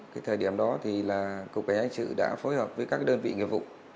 cái thời điểm đó thì là cục cảnh sự đã phối hợp với các đơn vị nghiệp vụ